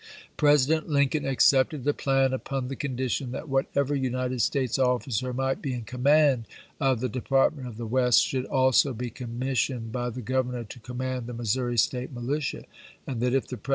President Lincoln accepted the plan upon the con dition that whatever United States officer might be in command of the Department of the West should also be commissioned by the Governor to command the Missouri State militia; and that if the Presi im!